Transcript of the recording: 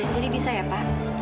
jadi bisa ya pak